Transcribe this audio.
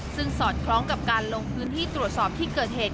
ซึ่งสอดคล้องกับการลงพื้นที่ตรวจสอบที่เกิดเหตุ